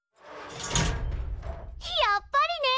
やっぱりね！